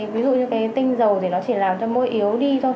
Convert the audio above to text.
ví dụ như cái tinh dầu thì nó chỉ làm cho môi yếu đi thôi